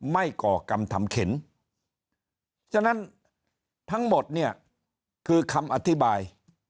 ก่อกรรมทำเข็นฉะนั้นทั้งหมดเนี่ยคือคำอธิบาย